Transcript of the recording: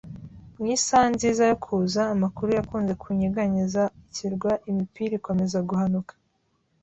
Mu isaha nziza yo kuza amakuru yakunze kunyeganyeza ikirwa, imipira ikomeza guhanuka